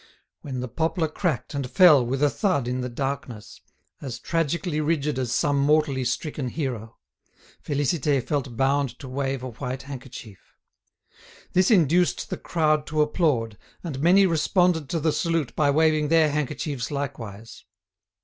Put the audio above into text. When the poplar cracked and fell with a thud in the darkness, as tragically rigid as some mortally stricken hero, Félicité felt bound to wave a white handkerchief. This induced the crowd to applaud, and many responded to the salute by waving their handkerchiefs likewise.